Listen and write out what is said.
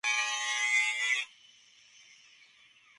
El riesgo asociado con tal decisión es muy alto.